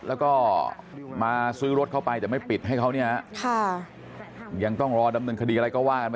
แล้วก็มาซื้อรถเข้าไปแต่ไม่ปิดให้เขาเนี่ยฮะยังต้องรอดำเนินคดีอะไรก็ว่ากันไป